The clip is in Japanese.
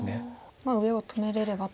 まあ上を止めれればと。